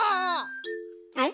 あれ？